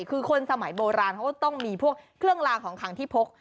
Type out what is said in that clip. คือคนสมัยโบราณเขาก็ต้องมีพวกเครื่องลางของขังที่พก